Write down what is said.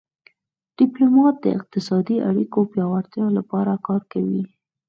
ډیپلومات د اقتصادي اړیکو پیاوړتیا لپاره کار کوي